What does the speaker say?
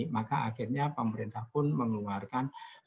maka akhirnya pemerintah pun mengeluarkan